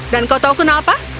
dan kau tahu kenapa